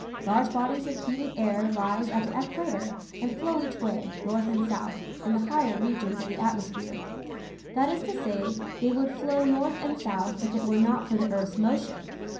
Large bodies of heated air rise at the equa tor and flow each way, north and south, in the higher regions of the atmosphere; that is to say, they would flow north and south if it were not for the earth's motion.